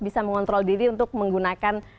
bisa mengontrol diri untuk menggunakan